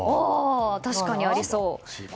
確かにありそう。